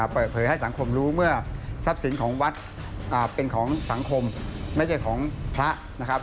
เปิดเผยให้สังคมรู้เมื่อทรัพย์สินของวัดเป็นของสังคมไม่ใช่ของพระนะครับ